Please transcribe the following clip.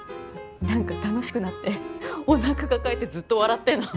なんか楽しくなってお腹抱えてずっと笑ってんの。